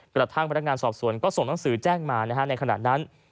กระทั่งพนักงานสอบสวนก็ส่งหนังสือแจ้งมาในขณะนั้น